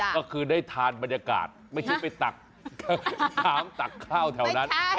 ก็คือได้ทานบรรยากาศไม่ใช่ไปตักน้ำตักข้าวแถวนั้น